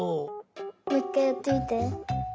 もういっかいやってみて。